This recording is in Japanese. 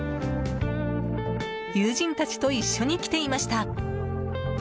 友人たちと一緒に来ていました。